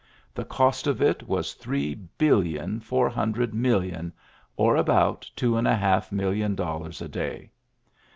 The cost of it was three billion four hundred million, or about two and a half million dollars a day.